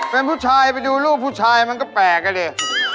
เป็นผู้ชายไปดูรูปผู้ชายมันก็แปลกอ่ะดิ